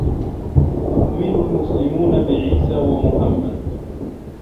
يؤمن المسلمون بعيسى و محمّد.